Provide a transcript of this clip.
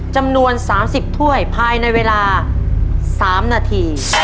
จำนวน๓๐ถ้วยภายในเวลา๓นาที